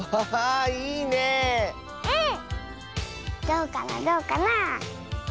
どうかなどうかな？